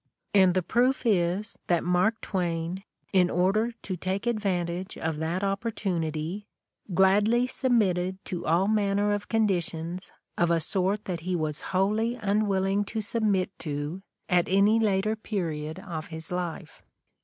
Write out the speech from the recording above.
And the proof is that Mark Twain, in order to take advantage of that opportunity, gladly submitted to all manner of conditions of a sort that he was wholly un willing to submit to at any later period of his life.